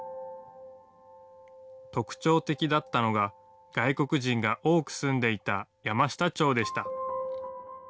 特徴的だったのが外国人が多く住んでいた山下町でした。